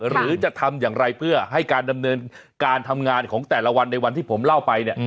หรือจะทำอย่างไรเพื่อให้การดำเนินการทำงานของแต่ละวันในวันที่ผมเล่าไปเนี่ย